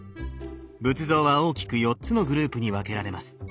仏像は大きく４つのグループに分けられます。